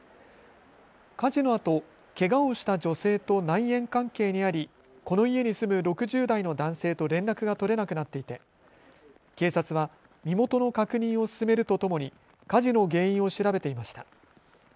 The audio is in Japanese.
火事のあと、けがをした女性と内縁関係にあり、この家に住む６０代の男性と連絡が取れなくなっていて警察は身元の確認を進めるとともに火事の原因を調べていました。